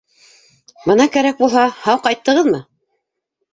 — Бына кәрәк булһа, һау ҡайттығыҙмы?